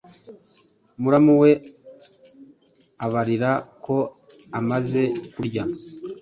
Muramu we abarira ko amaze kurya,